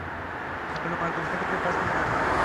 হারানো মাল উদ্ধার করতে পারছিস না।